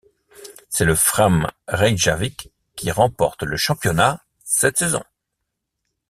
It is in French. C'est le Fram Reykjavik qui remporte le championnat cette saison.